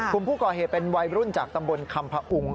กลุ่มผู้ก่อเหตุเป็นวัยรุ่นจากตำบลคำผุง